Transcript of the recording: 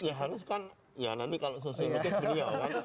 ya harus kan ya nanti kalau sosiologis beliau kan